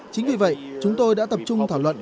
chính vì vậy chúng tôi đã tập trung thảo luận